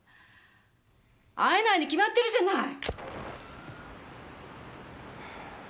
会えないに決まってるじゃない！